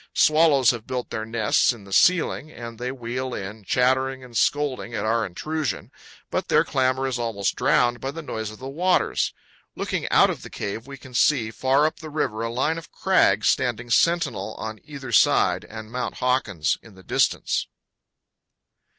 Swallows have built their nests in the ceiling, and they wheel in, chattering and scolding at our intrusion; but their clamor is almost drowned by the noise of the waters. Looking out of the cave, we can see, far up the river, a line of crags standing sentinel on either side, and Mount Hawkins in the distance.